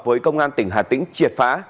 với công an tỉnh hà tĩnh triệt phá